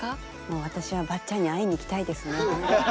私はばっちゃんに会いに行きたいですね。